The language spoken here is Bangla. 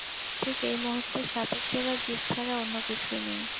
ঠিক এই মুহূর্তে সাপের চেরা জিব ছাড়া অন্য কিছুই নেই।